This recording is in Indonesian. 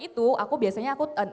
itu aku biasanya aku